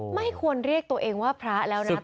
ไม่ควรเรียกตัวเองว่าพระแล้วนะ